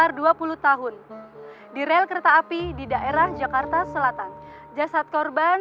sekitar dua puluh tahun di rel kereta api di daerah jakarta selatan jasad korban